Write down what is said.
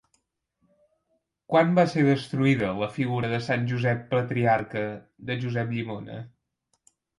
Quan va ser destruïda la figura de Sant Josep Patriarca de Josep Llimona?